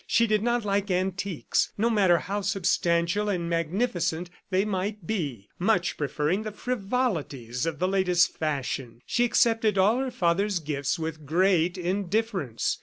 She did not like antiques, no matter how substantial and magnificent they might be, much preferring the frivolities of the latest fashion. She accepted all her father's gifts with great indifference.